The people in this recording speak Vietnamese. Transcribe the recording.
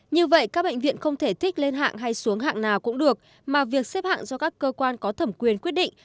như vậy các bệnh viện không thể thích lên hạng hay xuống hạng nào cũng được mà việc xếp hạng do các cơ quan có thẩm quyền quyết định